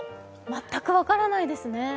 全く分からないですね。